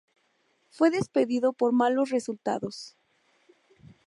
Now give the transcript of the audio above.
Fue despedido por malos resultados.